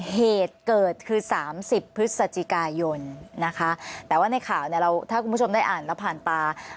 เหตุเกิดคือ๓๐พฤศจิกายนนะคะแต่ว่าในข่าวเนี่ยเราถ้าคุณผู้ชมได้อ่านแล้วผ่านตา